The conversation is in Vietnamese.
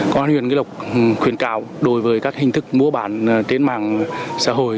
còn nguyễn nguyễn lộc khuyến trào đối với các hình thức mua bán trên mạng xã hội